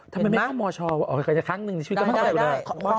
ทำไมไม่เข้ามชอ๋อครั้งหนึ่งชีวิตก็ไม่เอาไปกว่าได้